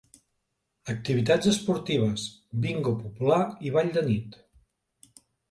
Activitats esportives, bingo popular i ball de nit.